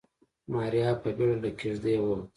ماريا په بيړه له کېږدۍ ووته.